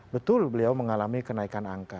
betul beliau mengalami kenaikan angka